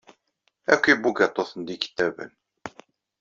Akk ibugaṭuten d ikeddaben.